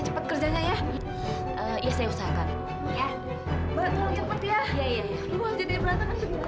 cepat kerjanya ya iya saya usahakan ya mbak tolong cepet ya iya iya maaf